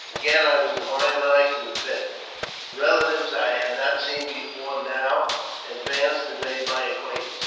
Again I was lionized and feted. Eelatives I had not seen before now advanced and made my acquaintance.